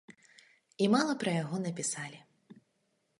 І мала пра яго напісалі.